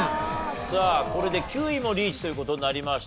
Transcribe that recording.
さあこれで９位もリーチという事になりました。